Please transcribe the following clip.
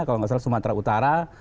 kalau nggak salah sumatera utara